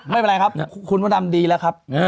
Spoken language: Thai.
ไม่เป็นไรครับคุณมดดำดีแล้วครับ